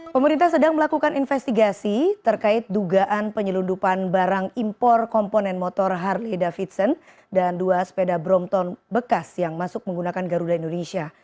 pemerintah sedang melakukan investigasi terkait dugaan penyelundupan barang impor komponen motor harley davidson dan dua sepeda brompton bekas yang masuk menggunakan garuda indonesia